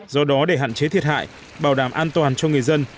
do đó để hạn chế thiệt hại bảo đảm an toàn cho người dân